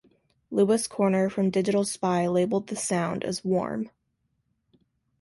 Lewis Corner from Digital Spy labeled the sound as "warm".